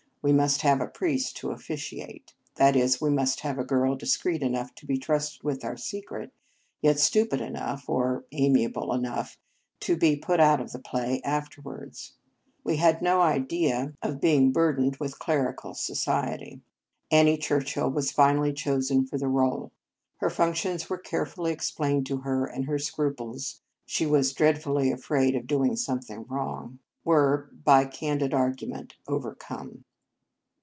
We must have a priest to officiate; that is, we must have a girl discreet enough to be trusted with our secret, yet stupid enough, or ami able enough, to be put out of the play afterwards. We had no idea of being 161 In Our Convent Days burdened with clerical society. Annie Churchill was finally chosen for the role. Her functions were carefully ex plained to her, and her scruples she was dreadfully afraid of doing some thing wrong were, by candid argu ment, overcome.